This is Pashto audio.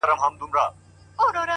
ما پخوا لا طبیبان وه رخصت کړي٫